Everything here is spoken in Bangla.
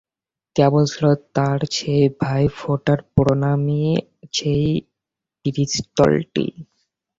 কেবল ছিল তার সেই ভাই-ফোঁটার প্রণামী, সেই পিস্তলটি।